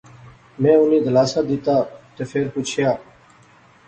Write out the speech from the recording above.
میں انیں دلاسا دتہ تہ فیر پچھیا